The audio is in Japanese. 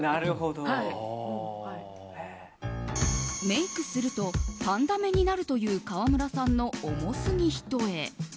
メイクするとパンダ目になるという川村さんの重すぎ一重。